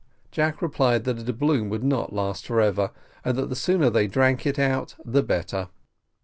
Jack replied that a doubloon would not last for ever, and that the sooner they drank it out the better.